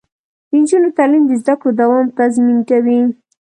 د نجونو تعلیم د زدکړو دوام تضمین کوي.